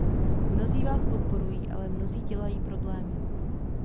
Mnozí Vás podporují, ale mnozí dělají problémy.